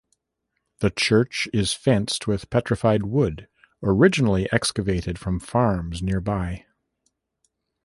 The church is fenced with petrified wood, originally excavated from farms nearby.